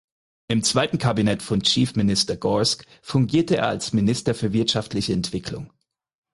Im zweiten Kabinett von Chief Minister Gorst fungierte er als Minister für wirtschaftliche Entwicklung.